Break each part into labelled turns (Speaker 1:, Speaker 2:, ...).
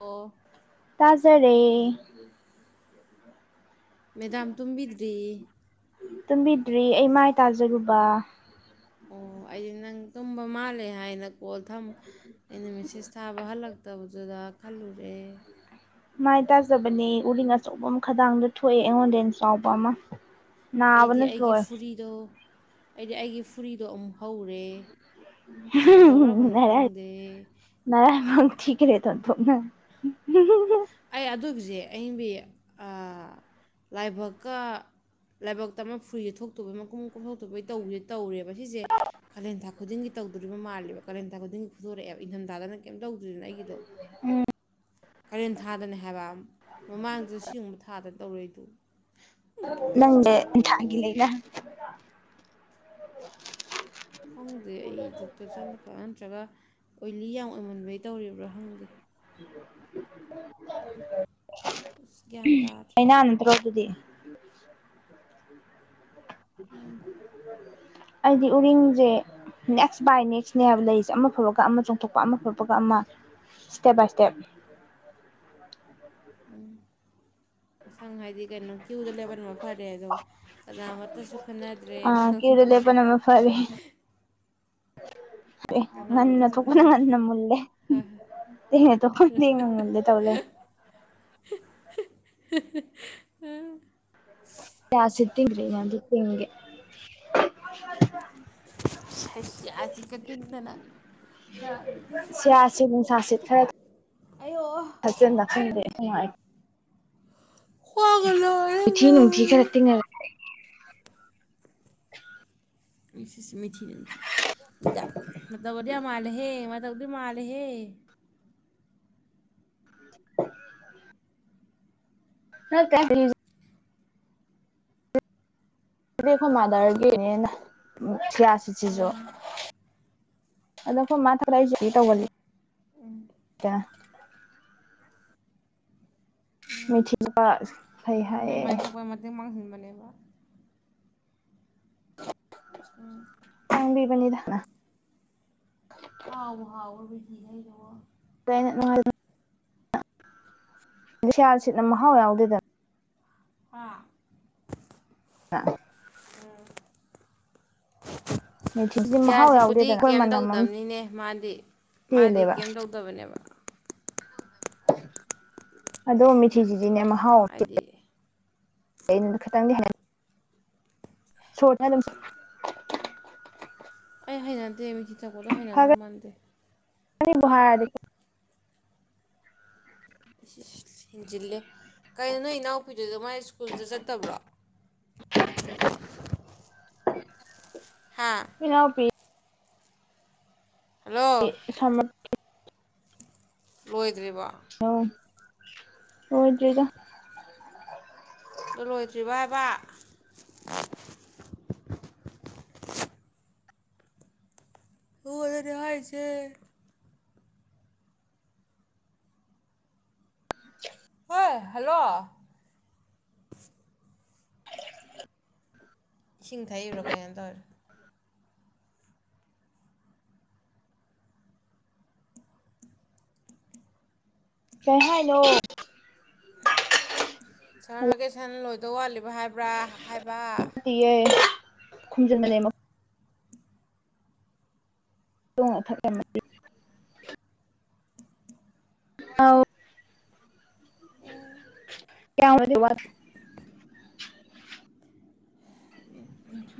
Speaker 1: ꯑꯣ
Speaker 2: ꯇꯥꯖꯔꯦ
Speaker 1: ꯃꯦꯗꯥꯝ ꯇꯨꯝꯕꯤꯗ꯭ꯔꯤ
Speaker 2: ꯇꯨꯝꯕꯤꯗ꯭ꯔꯤ ꯑꯩ ꯃꯥꯏ ꯇꯥꯖꯔꯨꯕꯥ
Speaker 1: ꯑꯣ ꯑꯩꯗꯤ ꯅꯪ ꯇꯨꯝꯕ ꯃꯥꯜꯂꯦ ꯍꯥꯏꯅ ꯀꯣꯜ ꯊꯝ ꯑꯩꯅ ꯃꯦꯁꯦꯁ ꯊꯥꯕ ꯍꯜꯂꯛꯇꯕꯗꯨꯗ ꯈꯜꯂꯨꯔꯦ
Speaker 2: ꯃꯥꯏ ꯇꯥꯖꯕꯅꯦ ꯎꯔꯤꯡ ꯑꯆꯧꯕꯝ ꯈꯗꯥꯡꯗ ꯊꯣꯛꯑꯦ ꯑꯩꯉꯣꯟꯗꯩ ꯍꯦꯟ ꯆꯥꯎꯕ ꯑꯃ
Speaker 1: ꯑꯩꯗꯤ
Speaker 2: ꯅꯥꯕꯅꯁꯨ
Speaker 1: ꯑꯩꯒꯤ
Speaker 2: ꯂꯣꯏꯔꯦ
Speaker 1: ꯐꯨꯔꯤꯗꯣ ꯑꯩꯗꯤ ꯑꯩꯒꯤ ꯐꯨꯔꯤꯗꯣ ꯑꯃꯨꯛ ꯍꯧꯔꯦ ꯀꯩꯗꯧꯔꯕꯅꯣ ꯈꯪꯗꯦ
Speaker 2: ꯊꯀꯔꯦꯗ ꯑꯣꯟꯊꯣꯛꯅ [unintelligible]
Speaker 1: ꯑꯌꯤꯡꯕꯤ ꯑꯥ ꯂꯥꯏꯕꯛꯀ ꯂꯥꯏꯕꯛꯛꯇ ꯑꯃ ꯐꯨꯔꯤꯖꯤ ꯊꯣꯛꯇꯧꯕꯩ ꯃꯀꯨꯞ-ꯃꯀꯨꯞ ꯊꯣꯛꯇꯧꯒꯤ ꯇꯧꯖꯦ ꯇꯧꯔꯦ ꯁꯤꯖꯦ ꯀꯥꯂꯦꯟꯊꯥ ꯈꯨꯗꯤꯡꯒꯤ ꯇꯧꯗꯣꯔꯤꯕ ꯃꯥꯜꯂꯦꯕ ꯀꯥꯂꯦꯟ ꯈꯨꯗꯤꯡꯒꯤ ꯐꯨꯗꯣꯔꯛꯑꯦꯕ ꯏꯪꯊꯝꯗꯥꯗꯅ ꯀꯩꯝ ꯇꯧꯗ꯭ꯔꯤꯅꯦ ꯑꯩꯒꯤꯗꯣ ꯀꯥꯂꯦꯟ ꯊꯥꯗꯅꯦ ꯍꯥꯏꯕ ꯃꯃꯥꯡꯗꯖꯨ ꯁꯤꯎꯝꯕ ꯊꯥꯗ ꯇꯧꯏ ꯑꯩꯗꯨ
Speaker 2: ꯅꯪ [inaudible] ꯊꯥꯒꯤ ꯂꯩꯅꯥꯅꯦ
Speaker 1: ꯈꯪꯗꯦ ꯑꯩ ꯗꯣꯛꯇꯔ ꯆꯠꯂꯛꯄ ꯅꯠꯇ꯭ꯔꯒ ꯑꯣꯏꯂꯤ ꯌꯥꯝ ꯑꯣꯏꯃꯟꯕꯩ ꯇꯧꯔꯤꯕ꯭ꯔꯥ ꯈꯪꯗꯦ ꯑꯁ ꯒ꯭ꯌꯥꯟ
Speaker 2: [unintelligible]
Speaker 1: ꯇꯥꯗ꯭ꯔꯦ
Speaker 2: ꯂꯩꯅꯥ ꯅꯠꯇ꯭ꯔꯣ ꯑꯗꯨꯗꯤ [inaudible] ꯑꯩꯗꯤ ꯎꯔꯤꯡꯖꯦ ꯅꯦꯛꯁ ꯕꯥꯏ ꯅꯦꯛꯁꯅꯦ ꯍꯥꯏꯕ ꯂꯩꯁꯦ ꯑꯃ ꯐꯕꯒ ꯑꯃ ꯆꯣꯡꯊꯣꯛꯄ ꯑꯃ ꯐꯕꯒ ꯑꯃ ꯏꯁꯇꯦꯞ ꯕꯥꯏ ꯏꯁꯇꯦꯞ
Speaker 1: ꯎꯝ ꯃꯁꯪ ꯍꯥꯏꯗꯤ ꯀꯩꯅꯣ ꯀ꯭ꯌꯨꯗ ꯂꯦꯞꯄꯅ ꯃꯐꯔꯦꯗꯣ ꯀꯅꯥꯃꯠꯇꯁꯨ ꯈꯟꯅꯗ꯭ꯔꯦꯅ
Speaker 2: ꯑꯥ ꯀ꯭ꯌꯨꯗ ꯂꯦꯞꯄꯅ
Speaker 1: [unintelligible]
Speaker 2: [unintelligible] [inaudible] ꯉꯟꯅ
Speaker 1: ꯀꯅꯥꯃꯠꯇꯁꯨ
Speaker 2: ꯊꯣꯛꯄꯅ
Speaker 1: ꯈꯟꯅꯗ꯭ꯔꯦ
Speaker 2: ꯉꯟꯅ ꯃꯨꯜꯂꯦ
Speaker 1: ꯍꯣꯏ
Speaker 2: ꯑꯦ ꯍꯦ ꯗꯣ [inaudible] ꯇꯧꯔ ꯂꯦꯃꯦ
Speaker 1: [unintelligible]
Speaker 2: ꯌꯥꯁꯤ [unintelligible] [inaudible]
Speaker 1: ꯍꯩꯁ ꯌꯥ ꯆꯤꯀ ꯇꯤꯡꯗꯅ [inaudible] ꯑꯩꯌꯣ
Speaker 2: ꯍꯁꯦꯟ ꯂ ꯈꯪꯗꯦ [inaudible]
Speaker 1: ꯈ꯭ꯋꯥꯡꯒ ꯅꯥꯔꯦ
Speaker 2: ꯈꯨꯊꯤ ꯅꯨꯡꯊꯤ ꯈꯔ
Speaker 1: ꯇꯧꯔꯤꯁꯦ
Speaker 2: ꯇꯤꯡꯉꯒ [unintelligible]
Speaker 1: ꯏꯁ ꯏꯁ ꯃꯤꯊꯤꯅꯦ ꯃꯤꯊꯤ ꯗꯥ ꯃꯇꯧꯒ ꯗꯤ ꯃꯥꯜꯂꯦꯍꯦ ꯃꯇꯧꯗꯤ ꯃꯥꯜꯂꯦꯍꯦ
Speaker 2: [unintelligible] ꯅꯪ ꯀꯥꯏꯗ [inaudible] ꯁꯤꯗꯤ ꯃꯥꯗꯔ ꯗꯦꯅꯤꯅ ꯎꯝ ꯊꯤꯌꯥꯁꯤꯁꯤꯖꯨ
Speaker 1: ꯑꯣ
Speaker 2: ꯑꯗꯣ ꯑꯩꯈꯏ ꯃꯥ ꯊꯂꯛ [inaudible] ꯇꯧꯒꯜꯂꯤ ꯗ ꯃꯣꯏꯊꯤꯕ ꯐꯩ ꯍꯥꯏꯌꯦ
Speaker 1: ꯅꯦꯕ ꯎꯝ
Speaker 2: ꯇꯥꯡꯕꯤꯕꯅꯤꯗꯅ
Speaker 1: ꯍꯥꯎꯕꯨ ꯍꯥꯎꯕ꯭ꯔꯥꯕ [inaudible]
Speaker 2: ꯑꯩꯅ [inaudible] ꯁꯌꯥ ꯁꯤꯠꯅ ꯃꯍꯥꯎ ꯌꯥꯎꯗꯦꯗꯅ
Speaker 1: ꯍꯥꯥ
Speaker 2: ꯃꯤꯊꯤꯁꯤꯗꯤ ꯃꯍꯥꯎ
Speaker 1: ꯒ꯭ꯌꯥꯁꯁꯤꯄꯨꯗꯤ
Speaker 2: ꯌꯥꯎꯗꯦꯗꯅ ꯑꯩꯈꯣꯏ
Speaker 1: ꯀꯩꯝ
Speaker 2: ꯃꯅꯝ ꯑꯃ
Speaker 1: ꯇꯧꯗꯝꯅꯤꯅꯦ ꯃꯥꯗꯤ ꯃꯥꯗꯤ
Speaker 2: ꯆꯦꯜꯂꯦꯕ
Speaker 1: ꯀꯩꯝ ꯇꯧꯗꯕꯅꯦꯕ
Speaker 2: ꯑꯗꯣ ꯃꯤꯊꯤ ꯆꯤꯖꯤꯅꯦ ꯃꯍꯥꯎ
Speaker 1: ꯍꯥꯏꯗꯤ
Speaker 2: [inaudible] ꯑꯩꯅ ꯈꯇꯪꯗꯤ ꯍꯥꯏ ꯁꯣꯇ ꯑꯗꯨ
Speaker 1: ꯑꯩ ꯍꯩꯅꯗꯦ ꯃꯤꯊꯤ ꯆꯛꯄꯗꯣ ꯍꯩꯅꯗꯧ ꯃꯥꯟꯗꯦ
Speaker 2: ꯍꯔꯗꯗꯤ
Speaker 1: ꯍꯤꯟꯖꯤꯜꯂꯦ ꯀꯩꯅꯣ ꯅꯣꯏ ꯏꯅꯥꯎꯄꯤꯗꯨꯁꯨ ꯃꯥꯥꯏ ꯁ꯭ꯀꯨꯜꯗꯨ ꯆꯠꯇꯕ꯭ꯔꯣ ꯍꯥ
Speaker 2: ꯏꯅꯥꯎ ꯄꯤ
Speaker 1: ꯍꯜꯂꯣ
Speaker 2: ꯁꯝꯃꯔ
Speaker 1: ꯂꯣꯏꯗ꯭ꯔꯤꯕꯣ ꯑꯗꯣ
Speaker 2: ꯍꯥꯎ ꯂꯣꯏꯗꯔ꯭ꯤꯗ
Speaker 1: ꯑꯗꯨ ꯂꯣꯏꯗ꯭ꯔꯤꯕ ꯍꯥꯏꯕꯥ ꯅꯥꯉꯣꯟꯗꯅꯦ ꯍꯥꯏꯁꯦ꯫
Speaker 2: [unintelligible]
Speaker 1: ꯍꯣꯏ ꯍꯜꯂꯣ ꯏꯁꯤꯡ ꯊꯛꯏꯕꯔꯥ ꯀꯩꯏꯅꯣꯝ ꯇꯧꯔꯦ
Speaker 2: ꯀꯩ ꯍꯥꯏꯅꯣ
Speaker 1: ꯁꯃꯔ ꯚꯦꯀꯦꯁꯟ ꯂꯣꯏꯗꯧ ꯋꯥꯠꯂꯤꯕ ꯍꯥꯏꯕ꯭ꯔꯥ ꯍꯥꯏꯕ
Speaker 2: ꯈꯨꯨꯝꯖꯟ ꯃ ꯂꯩ ꯇꯣꯡ ꯑꯊꯛꯗꯤ ꯎꯧ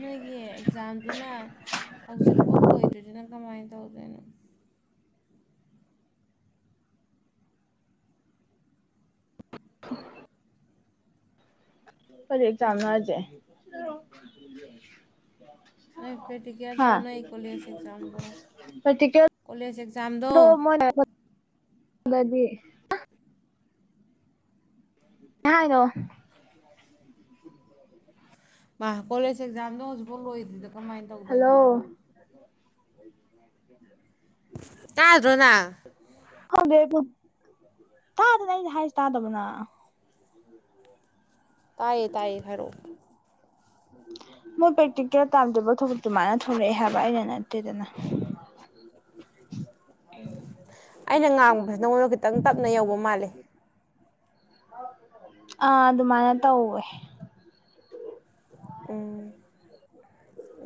Speaker 1: ꯅꯣꯏꯒꯤ ꯑꯦꯛꯖꯥꯝꯗꯨꯅ ꯍꯧꯖꯤꯛꯐꯥꯎ ꯂꯣꯢꯗꯔ꯭ꯤ ꯗꯨꯅꯥ ꯀꯃꯥꯏꯅ ꯇꯧꯗꯣꯏꯅꯣ
Speaker 2: [unintelligible] ꯀꯔꯤ ꯑꯦꯛꯖꯥꯝ ꯅꯣ ꯍꯥꯏꯁꯦ꯫
Speaker 1: ꯅꯣꯏ
Speaker 2: ꯍꯥ
Speaker 1: ꯄꯔꯛꯇꯤꯗꯜ ꯅꯣꯏ ꯀꯣꯂꯁ ꯑꯦꯛꯖꯥꯝꯗ
Speaker 2: ꯄ꯭ꯔꯦꯛꯇꯤꯀꯦꯜꯗꯣ
Speaker 1: ꯀꯣꯂꯦꯖ ꯑꯦꯛꯖꯥꯝꯗꯣ
Speaker 2: ꯃꯔ ꯉꯥꯏꯗꯣ
Speaker 1: ꯃꯥ ꯀꯣꯂꯦꯖ ꯑꯦꯛꯖꯥꯝꯗꯣ ꯍꯧꯖꯤꯛꯐꯥꯎ ꯂꯣꯏꯗ꯭ꯔꯗꯤ ꯀꯃꯥꯏꯅ
Speaker 2: ꯍꯜꯂꯣ
Speaker 1: ꯇꯧꯗꯣꯏꯅꯣ ꯍꯥꯏꯕ
Speaker 2: [unintelligible]
Speaker 1: ꯇꯥꯗ꯭ꯔꯣ ꯅꯪ
Speaker 2: ꯗꯦ ꯇꯥꯗꯅ ꯑꯩꯅꯥ ꯍꯥꯏꯁꯦ ꯇꯥꯗꯕꯅ
Speaker 1: ꯇꯌꯦ ꯇꯥꯌꯦ ꯍꯥꯏꯔꯛ ꯑꯣ
Speaker 2: ꯃꯣꯏ ꯄ꯭ꯔꯦꯛꯇꯤꯀꯦꯜ ꯇꯥꯝꯗꯕ ꯊꯕꯛꯇꯨ ꯃꯥꯥꯏꯅ ꯊꯣꯛꯂꯛꯑꯦ ꯍꯥꯏꯕ ꯑꯩꯅ ꯅꯠꯇꯦꯗꯅ ꯎꯝ
Speaker 1: ꯎꯝ ꯑꯩꯅ ꯉꯥꯡꯕꯁꯤ ꯅꯉꯣꯟꯗ ꯈꯤꯇꯪ ꯇꯞꯅ ꯌꯧꯕ ꯃꯥꯂꯦ
Speaker 2: ꯑꯥ ꯑꯗꯨꯃꯥꯏꯅ ꯇꯧꯋꯦ
Speaker 1: ꯎꯝ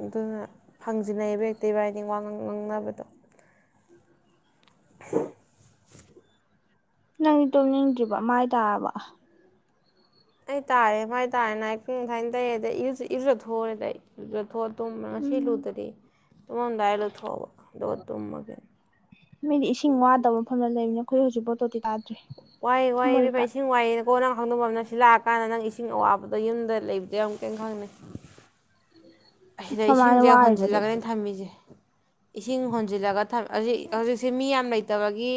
Speaker 1: ꯑꯗꯨꯅ ꯐꯪꯖꯤꯟꯅꯩꯕ ꯍꯦꯛꯇ ꯏꯕꯥꯥꯅꯤ ꯋꯥ ꯉꯥꯡ ꯉꯥꯡꯅꯕꯗꯣ
Speaker 2: ꯅꯪ ꯇꯨꯝꯅꯤꯡꯗ꯭ꯔꯤꯕ ꯃꯥꯏ ꯇꯥꯔꯕ
Speaker 1: ꯑꯩ ꯇꯥꯔꯦ ꯃꯥꯏ ꯇꯥꯔꯦꯅ ꯑꯩꯪꯥꯏꯅ ꯇꯩ ꯑꯗ ꯏꯔꯁꯨꯊꯣꯔꯑꯦꯗ ꯑꯩ ꯂꯧꯊꯣꯛꯑ ꯇꯨꯝꯕ꯭ꯔꯥ ꯉꯁꯤ
Speaker 2: ꯎꯝ
Speaker 1: ꯂꯨꯗꯗꯤ ꯇꯨꯝꯃꯝꯗꯥꯏ ꯂꯧꯊꯣꯛꯑꯕ ꯑꯗꯨꯣꯛ ꯇꯨꯝꯃꯒꯦ
Speaker 2: ꯃꯤꯗꯤ ꯏꯁꯤꯡ ꯋꯥꯗꯕ ꯃꯐꯝꯗ ꯂꯩꯅꯤꯅ ꯑꯩꯈꯣꯏ ꯍꯧꯖꯤꯛ ꯐꯎ ꯇꯣꯇꯤ ꯇꯥꯗꯔ꯭ꯤ
Speaker 1: ꯋꯥꯏ ꯋꯥꯏꯌꯦ ꯏꯁꯤꯡ ꯋꯥꯏ ꯀꯣꯟꯅ ꯑꯃ ꯈꯪꯗꯕ ꯑꯃ ꯅꯪ ꯁꯤ ꯂꯥꯛꯑꯀꯥꯟꯗ ꯅꯪ ꯏꯁꯤꯡ ꯑꯋꯥꯕꯗ ꯌꯨꯝꯗ ꯂꯩꯕꯗꯤ ꯑꯃꯨꯛ ꯀꯩ ꯈꯪꯅꯩ ꯑꯁꯤꯗ
Speaker 2: ꯀꯃꯥꯏꯅ
Speaker 1: ꯏꯁꯤꯡꯁꯦ
Speaker 2: ꯋꯥꯔꯤꯕ ꯑꯗꯨꯗꯤ
Speaker 1: ꯍꯣꯟꯖꯤꯜꯂꯒꯅꯦ ꯊꯝꯃꯤꯁꯦ ꯏꯁꯤꯡ ꯍꯣꯟꯖꯤꯜꯂꯒ ꯍꯧꯖꯤꯛ ꯍꯧꯖꯤꯛꯁꯦ ꯃꯤ ꯌꯥꯝ ꯂꯩꯇꯕꯒꯤ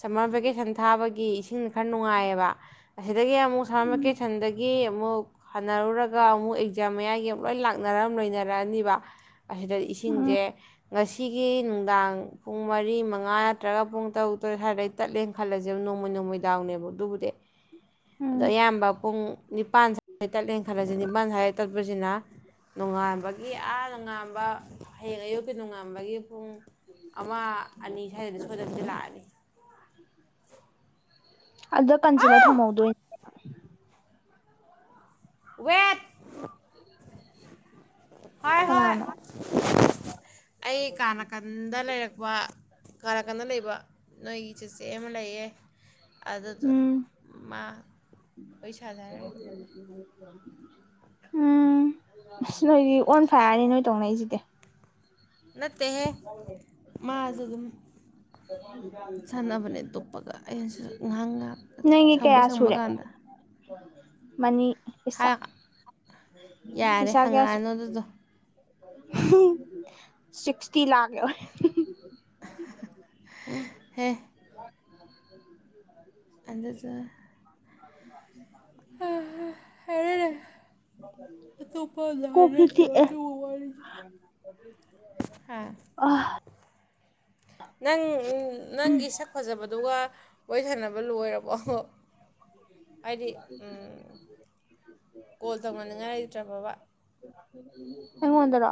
Speaker 1: ꯁꯝꯃꯔ ꯚꯦꯀꯦꯁꯟ ꯊꯥꯕꯒꯤ ꯏꯁꯤꯡ ꯈꯔ ꯅꯨꯡꯉꯥꯏꯌꯦꯕ ꯑꯁꯤꯗꯒꯤ ꯑꯃꯨꯛ ꯁꯥꯔꯃꯥꯔꯕꯦꯀꯦꯁꯟꯗꯒꯤ ꯑꯃꯨꯛ ꯍꯥꯟꯅꯔꯨꯔꯒ ꯑꯃꯨꯛ ꯑꯦꯛꯖꯥꯝ ꯃꯌꯥꯒꯤ ꯂꯣꯏ ꯂꯥꯛꯅꯔ ꯂꯣꯏꯅꯔꯛꯑꯅꯤꯕ ꯑꯁꯤꯗ
Speaker 2: ꯎꯝ
Speaker 1: ꯏꯁꯤꯡꯁꯦ ꯉꯁꯤꯒꯤ ꯅꯨꯡꯗꯥꯡ ꯄꯨꯡ ꯃꯔꯤ ꯃꯉꯥ ꯅꯠꯇ꯭ꯔꯒ ꯄꯨꯡ ꯇꯔꯨꯛ ꯇꯔꯦꯠ ꯁ꯭ꯋꯥꯗꯩ ꯇꯠꯂꯦꯅ ꯈꯜꯂꯁꯕ ꯅꯣꯡꯃꯩ ꯅꯣꯡꯃꯩ ꯗꯥꯎꯅꯦꯕ ꯑꯗꯨꯕꯨꯗꯤ
Speaker 2: ꯎ
Speaker 1: ꯑꯗꯣ ꯑꯌꯥꯝꯕ ꯄꯨꯡ ꯅꯤꯄꯥꯟ ꯁ꯭ꯋꯥꯏ ꯇꯠꯂꯦꯅ ꯈꯜꯂꯁꯤ ꯅꯤꯄꯥꯥꯟ ꯁ꯭ꯋꯥꯏ ꯇꯠꯄꯁꯤꯅ ꯅꯣꯡꯉꯥꯟꯕꯒꯤ ꯑꯥ ꯅꯣꯡꯉꯥꯟꯕ ꯍꯌꯦꯡ ꯑꯌꯨꯛꯀꯤ ꯅꯣꯡꯉꯥꯟꯕꯒꯤ ꯄꯨꯡ ꯑꯃ ꯑꯅꯤ ꯁ꯭ꯋꯥꯏꯗꯒ ꯁꯣꯏꯗꯅꯀꯤ ꯂꯥꯛꯑꯅꯤ
Speaker 2: ꯑꯗ ꯀꯟꯁꯤꯂ
Speaker 1: ꯍꯥꯎ
Speaker 2: ꯊꯝꯃꯧꯗꯣꯏ
Speaker 1: ꯋꯦꯠ ꯍꯣꯏ ꯍꯣꯏ
Speaker 2: ꯀꯅꯥꯅꯣ
Speaker 1: ꯑꯩ ꯀꯥ ꯅꯥꯀꯟꯗ ꯂꯩꯔꯛꯄ ꯀꯅꯥ ꯀꯥꯟꯗ ꯂꯩꯕ ꯅꯣꯏꯒꯤ ꯆꯤꯆꯦ ꯑꯃ ꯂꯩꯌꯦ ꯑꯗꯨꯗ
Speaker 2: ꯎꯝ
Speaker 1: ꯃꯥ ꯄꯩꯁꯥꯥ ꯆꯔꯛꯏ
Speaker 2: ꯎꯝ ꯑꯁ ꯅꯣꯏꯒꯤ ꯑꯣꯟ ꯐꯥꯏꯌꯥꯔꯅꯤ ꯅꯣꯏ ꯇꯧꯅꯩꯁꯤꯗꯤ
Speaker 1: ꯅꯠꯇꯦꯍꯦ ꯃꯥ ꯁꯨ ꯑꯗꯨꯝ ꯁꯥꯟꯅꯕꯅꯦ ꯇꯨꯞꯞꯄꯒ ꯑꯩꯩꯅꯁꯨ ꯉꯥꯏꯍꯥꯛ ꯉꯥꯏꯍꯥꯛ
Speaker 2: ꯅꯪꯒꯤ
Speaker 1: ꯁꯪꯕ
Speaker 2: ꯀꯌꯥ
Speaker 1: ꯁꯪꯕ
Speaker 2: ꯁꯨꯔꯦ
Speaker 1: ꯀꯥꯟꯗ
Speaker 2: ꯃꯅꯤ ꯄꯩꯁꯥ
Speaker 1: ꯌꯥꯔꯦ
Speaker 2: ꯄꯩꯁꯥ ꯀꯌꯥ
Speaker 1: ꯍꯪꯉꯛꯑꯅꯨ
Speaker 2: ꯁꯨꯔꯦ
Speaker 1: ꯑꯗꯨꯗꯣ
Speaker 2: ꯁꯤꯛꯁꯇꯤ ꯂꯥꯛ ꯌꯧꯔꯦ
Speaker 1: ꯍꯦ
Speaker 2: [inaudible]
Speaker 1: ꯑꯗꯨꯗꯣ
Speaker 2: [unintelligible]
Speaker 1: ꯍ
Speaker 2: ꯃꯥ
Speaker 1: ꯑꯇꯣꯞꯄ ꯂꯔ [unintelligible] ꯍꯥ
Speaker 2: ꯑ
Speaker 1: ꯅꯪ ꯅꯪꯒꯤ ꯁꯛ ꯐꯖꯕꯗꯨꯒ ꯀꯣꯏꯊꯅꯕ ꯂꯣꯏꯔꯕꯣ ꯍꯥꯏꯗꯤ ꯀꯣꯜ ꯇꯧꯅꯅꯤꯡꯉꯥꯏ ꯂꯩꯇ꯭ꯔꯥ ꯕꯣꯕꯥ
Speaker 2: ꯑꯩꯉꯣꯟꯗꯔꯣ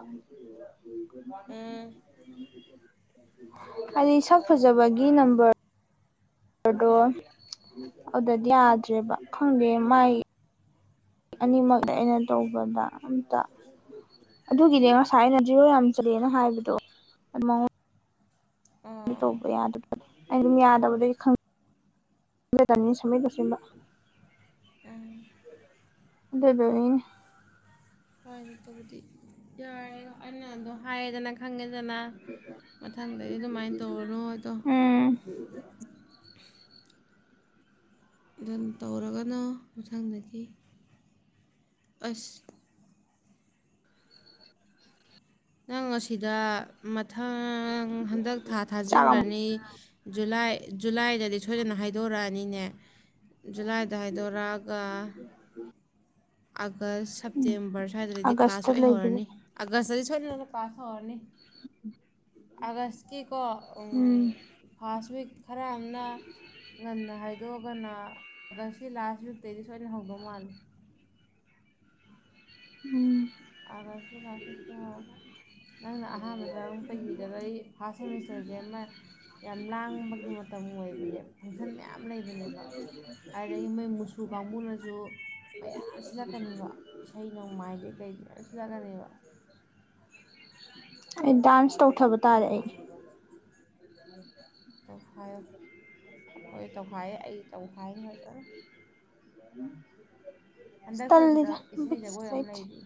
Speaker 1: ꯎꯝ
Speaker 2: ꯍꯥꯏꯗꯤ ꯏꯁꯛ ꯐꯖꯕꯒꯤ ꯅꯝꯕꯔ ꯑꯣꯔꯗꯣ ꯑꯗꯗꯤ ꯌꯥꯗ꯭ꯔꯦꯕ ꯈꯪꯗꯦ ꯃꯥꯏ ꯑꯅꯤꯃꯛꯅ ꯑꯩꯅ ꯇꯧꯕꯗ ꯑꯝꯇ ꯑꯗꯨꯒꯤꯅꯦ ꯉꯁꯥꯏ ꯑꯩꯅ ꯖꯤꯔꯣ ꯌꯥꯝ ꯆꯠꯂꯦꯅ ꯍꯥꯏꯕꯗꯣ ꯑꯗꯨ
Speaker 1: ꯑꯣ
Speaker 2: ꯇꯧꯕ ꯌꯥ ꯑꯗꯨ ꯑꯩ ꯑꯗꯨꯝ ꯌꯥꯗꯕꯗꯒꯤ ꯈꯪꯖꯗꯅꯤ ꯁꯃ ꯑꯁꯤꯕ
Speaker 1: ꯎꯝ
Speaker 2: [unintelligible]
Speaker 1: ꯇꯗꯤ ꯌꯥꯒ ꯍꯥꯏꯔꯦꯗꯅ ꯈꯪꯉꯦꯗꯅ ꯃꯊꯪꯗꯗꯤ ꯑꯗꯨꯃꯥꯏꯅ ꯇꯧꯔꯅꯣ ꯍꯥꯏꯗꯣ
Speaker 2: ꯎꯝ
Speaker 1: ꯗꯟ ꯇꯧꯔꯒꯅꯣ ꯃꯊꯪꯗꯒꯤ ꯑꯁ ꯅꯪ ꯑꯁꯤꯗ ꯃ ꯍꯟꯗꯛ ꯊꯥ
Speaker 2: ꯆꯥꯛ ꯑꯃꯨꯛ
Speaker 1: ꯊꯥꯖꯤꯟꯈ꯭ꯔꯅꯤ ꯖꯨꯂꯥꯏ ꯖꯨꯂꯥꯏꯗ ꯗꯤ ꯁꯣꯏꯗꯅ ꯍꯥꯏꯗꯣꯔꯛꯑꯅꯤꯅꯦ ꯖꯨꯂꯥꯏꯗ ꯍꯥꯏꯗꯣꯔꯛꯑꯒ ꯑꯥꯒꯁ ꯁꯦꯞꯇꯦꯝꯕꯔ ꯁ꯭ꯋꯥꯏꯗꯗꯤ ꯀ꯭ꯂꯥꯁ
Speaker 2: ꯑꯥꯒꯁꯇ ꯂꯩꯕꯒꯤ
Speaker 1: ꯑꯣꯏꯍꯧꯔꯅꯤ ꯑꯥꯒꯁꯇ ꯊꯅ ꯄꯥꯁ ꯍꯧꯔꯅꯤ
Speaker 2: ꯎ [unintelligible]
Speaker 1: ꯑꯥꯒꯁꯀꯤꯀꯣ ꯐꯥꯔꯁ ꯋꯤꯛ ꯈꯔ ꯑꯃꯅ ꯉ ꯍꯥꯏ ꯑꯗꯨꯒꯅꯁꯤ ꯂꯥꯁ ꯋꯤꯇꯩꯗꯤ ꯁꯣꯏꯅ ꯍꯧꯗꯧ ꯃꯥꯜꯂꯦ
Speaker 2: ꯎꯝ
Speaker 1: ꯑꯒꯁꯀꯤ ꯂꯥꯁ ꯋꯤꯛ ꯇꯍꯧꯔꯒ ꯅꯪꯅ ꯑꯍꯥꯟꯕꯗ ꯄꯩꯈꯤꯗꯕ ꯑꯩ ꯐꯥꯔꯁ ꯁꯦꯃꯤꯁꯇꯔꯁꯦ ꯑꯃ ꯌꯥꯝ ꯂꯥꯡꯕꯒꯤ ꯃꯇꯝ ꯑꯣꯏꯕꯅꯦ ꯐꯪꯁꯟ ꯃꯌꯥꯝ ꯂꯩꯕꯅꯦꯕ ꯑꯗꯩꯗꯒꯤ ꯃꯣꯏ ꯃꯨꯁꯨ ꯀꯥꯡꯕꯨꯅꯥꯁꯨ ꯃꯌꯥꯝ ꯁꯤꯜꯂꯛꯀꯅꯤꯕ ꯏꯁꯩ ꯅꯣꯡꯃꯥꯏꯗꯩ ꯀꯩꯗꯩ ꯃꯌꯥꯝ ꯁꯤꯜꯂꯛꯀꯅꯤꯕꯥ
Speaker 2: ꯑꯩ ꯗꯥꯟꯁ ꯇꯧꯊꯥꯕ ꯇꯥꯔꯦ
Speaker 1: ꯈꯪꯉꯕ
Speaker 2: ꯑꯩ
Speaker 1: ꯇꯧꯈꯥꯏꯌꯣ ꯍꯣꯏ ꯇꯧꯈꯥꯏꯌꯦ ꯑꯩ ꯇꯧꯈꯥꯏ [unintelligible] ꯍꯟꯗꯛꯁꯨ ꯁꯤꯗ
Speaker 2: ꯇꯜꯂꯤꯗꯥ
Speaker 1: ꯏꯁꯩ
Speaker 2: ꯕꯤꯠꯗ
Speaker 1: ꯖꯒꯣꯏ ꯑꯃ
Speaker 2: ꯂꯩꯇꯦ
Speaker 1: ꯂꯩꯔꯤ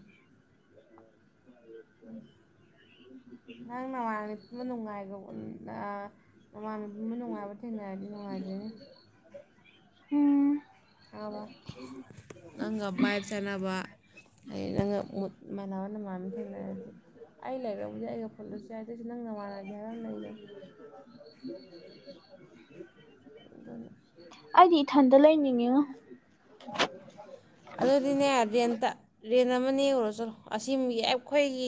Speaker 1: ꯅꯪ ꯅꯃꯥꯅꯥ ꯅꯨꯡꯉꯥꯏꯕ ꯅꯃꯥꯅꯕꯤ ꯅꯨꯡꯉꯥꯏꯕ ꯇꯤꯟꯅꯥꯔꯗꯤ ꯅꯨꯡꯉꯥꯏꯗꯨꯏꯅꯤ
Speaker 2: ꯎꯝ
Speaker 1: ꯚꯥꯏꯕ ꯆꯥꯟꯅꯕ ꯍꯥꯏꯗꯤ ꯅꯪꯒꯥ ꯃꯣꯠ ꯃꯥꯟꯅꯕ ꯅꯃꯥꯅꯕꯤ ꯊꯦꯡꯅꯔꯗꯤ ꯑꯩ ꯂꯩꯔꯕꯨꯗꯤ ꯑꯩꯒ ꯄꯨꯜꯂꯁꯨ ꯌꯥꯏ ꯑꯗꯨꯏꯁꯨ ꯅꯪꯒꯤ ꯅꯃꯥꯟꯅꯕꯤ ꯍꯥꯏꯕ ꯑꯃꯥ ꯂꯩꯗꯅ
Speaker 2: [unintelligible]
Speaker 1: ꯑꯗꯨꯗꯅ
Speaker 2: ꯑꯩꯗꯤ ꯏꯊꯟꯗꯥ ꯂꯩꯅꯤꯡꯉꯤꯉꯣ
Speaker 1: ꯑꯗꯨꯗꯤꯅꯦ ꯔꯦꯟꯇꯥ ꯔꯦꯟꯇ ꯑꯃꯥ ꯅꯦꯛꯎꯔꯣ ꯆꯠꯂꯣ ꯑꯁꯤ ꯑꯩꯈꯣꯏꯒꯤ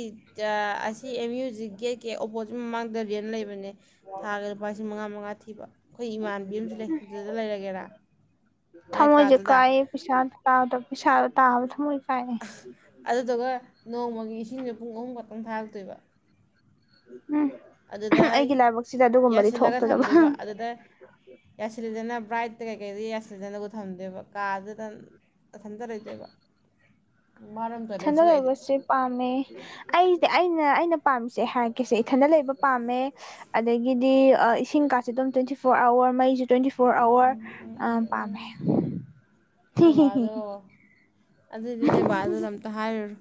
Speaker 1: ꯑꯁꯤ ꯑꯦꯝ ꯌꯨ ꯖꯤꯒꯤ ꯒꯦꯠ ꯀꯦ ꯑꯣꯄꯣꯖꯤꯠ ꯃꯃꯥꯡꯗ ꯔꯦꯟ ꯂꯩꯕꯅꯦ ꯊꯥꯗ ꯂꯨꯄꯥꯂꯤꯁꯤꯡ ꯃꯉꯥ ꯃꯉꯥ ꯊꯤꯕꯥ ꯑꯩꯈꯣꯏ ꯏꯃꯥꯟꯕꯤ ꯑꯃꯁꯨ ꯂꯩ ꯑꯗꯨꯗ ꯂꯩꯔꯒꯦꯔꯥ ꯃꯥꯏ
Speaker 2: ꯊꯝꯃꯣꯏꯁꯦ
Speaker 1: ꯀꯥꯗꯨꯗ
Speaker 2: ꯀꯥꯏꯌꯦ ꯄꯩꯁꯥꯗꯣ ꯇꯥꯗꯕ ꯄꯩꯁꯥꯗꯣ ꯇꯥꯕ ꯊꯝꯃꯣꯏꯁꯦ
Speaker 1: ꯑꯗꯨꯗꯨꯒꯥ ꯅꯣꯡꯃꯥꯒꯤ ꯏꯁꯤꯡꯁꯨ ꯄꯨꯡ ꯑꯍꯨꯝ ꯈꯛꯇꯪ ꯊꯥꯔꯛꯇꯣꯏꯕ
Speaker 2: ꯎꯝ
Speaker 1: ꯑꯗꯨꯗ
Speaker 2: ꯑꯩꯒꯤ ꯂꯥꯏꯕꯛꯁꯤꯗ ꯑꯗꯨꯒꯨꯝꯕꯗꯤ
Speaker 1: ꯌꯥꯁꯤꯜꯂꯒꯥ
Speaker 2: ꯊꯣꯛꯇꯗꯕ
Speaker 1: ꯊꯝꯗꯣꯏꯕ ꯑꯗꯨꯗ ꯌꯥꯁꯤꯂꯦꯗꯅꯥ ꯕ꯭ꯔꯥꯠꯇꯥ ꯀꯩꯀꯩꯗꯥ ꯌꯥꯁꯤꯟꯖꯅꯕꯥ ꯊꯝꯗꯨꯏꯕꯥ ꯀꯥꯗꯨꯗ ꯅꯊꯟꯇꯥ ꯂꯩꯗꯣꯏꯕ
Speaker 2: [inaudible]
Speaker 1: ꯃꯥꯅ ꯑꯝꯇ
Speaker 2: ꯏꯊꯟꯗꯥ
Speaker 1: ꯂꯩꯁꯨ ꯑꯩꯗꯤ
Speaker 2: ꯂꯩꯕꯁꯦ ꯄꯥꯝꯃꯦ ꯑꯩꯗꯤ ꯑꯩꯅ ꯑꯩꯅ ꯄꯥꯝꯃꯤꯁꯦ ꯑꯩ ꯍꯥꯏꯒꯦꯁꯦ ꯏꯊꯟꯗꯥ ꯂꯩꯕ ꯄꯥꯝꯃꯦ ꯑꯗꯥꯒꯤꯗꯤ ꯏꯁꯤꯡ ꯀꯥꯁꯦ ꯑꯗꯨꯝ ꯇ꯭ꯋꯦꯟꯇꯤ ꯐꯣꯔ ꯑꯋꯥꯔ ꯃꯩꯁꯨ ꯇ꯭ꯋꯦꯟꯇꯤ ꯐꯣꯔ
Speaker 1: ꯎꯝ
Speaker 2: ꯑꯋꯥꯔ
Speaker 1: ꯎꯝ ꯎꯝ
Speaker 2: ꯑ
Speaker 1: ꯎꯝ
Speaker 2: ꯄꯥꯝꯃꯦ
Speaker 1: ꯎꯝ
Speaker 2: ꯍꯤ
Speaker 1: ꯅꯣꯏ
Speaker 2: ꯍꯤ ꯍꯤ
Speaker 1: ꯕꯥꯗꯣ ꯑꯗꯨꯗꯤ ꯅ‌ꯣꯏ ꯕꯥ ꯗꯨꯗ ꯑꯝꯇꯥ ꯍꯥꯏꯔꯨꯔꯣ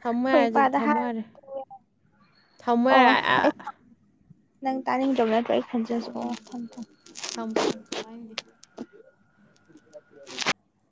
Speaker 1: ꯊꯝꯃꯣ ꯌꯥꯔꯦ ꯑꯗꯨꯗ
Speaker 2: ꯏꯄꯥꯗ
Speaker 1: ꯊꯝꯃ‌ꯣ
Speaker 2: ꯍꯥꯏꯔ
Speaker 1: ꯌꯥꯔꯦ ꯊꯝꯃ‌ꯣ
Speaker 2: ꯑꯣ
Speaker 1: ꯌꯥꯔ‌ꯦ [unintelligible]
Speaker 2: ꯅꯪ ꯇꯥꯅꯤꯡꯗ꯭ꯔꯥꯕ ꯅꯠꯇ꯭ꯔꯣ ꯑꯩ ꯈ‌ꯣꯟꯖ‌ꯦꯜꯁꯦ ꯑꯣ ꯊꯝꯃ‌ꯦ ꯊꯝꯃ‌ꯦ
Speaker 1: ꯊꯝꯃꯣ ꯊꯝꯃꯣ ꯇꯥꯅꯤꯡꯗ‌ꯦ
Speaker 2: [unintelligible]